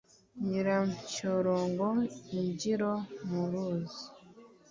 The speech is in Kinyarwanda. Nyirampyorongo-Imbyiro mu ruzi